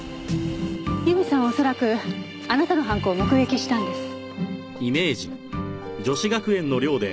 由美さんは恐らくあなたの犯行を目撃したんです。